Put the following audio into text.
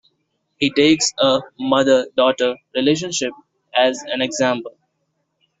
He takes a mother-daughter relationship as an example.